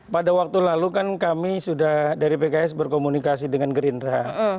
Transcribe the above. pada waktu lalu kan kami sudah dari pks berkomunikasi dengan gerindra